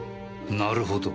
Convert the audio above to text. なるほど。